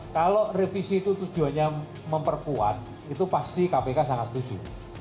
kalau revisi itu tujuannya memperkuat itu pasti kpk sangat setuju